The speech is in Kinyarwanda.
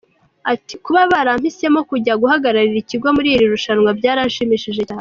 Ati “Kuba barampisemo kujya guhagararira ikigo muri iri rushanwa byaranshimishije cyane.